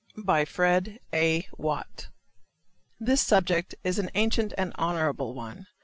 FRED. A. WATT. This subject is an ancient and honorable one.